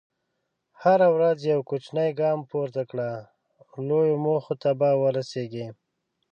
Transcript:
هره ورځ یو کوچنی ګام پورته کړه، لویو موخو ته به ورسېږې.